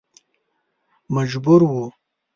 مجبور و.